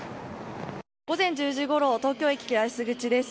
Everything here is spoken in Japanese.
午前１０時ごろ東京駅八重洲口です。